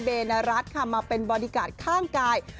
รัฐค่ะมาเป็นบอดี้การ์ดข้างกาย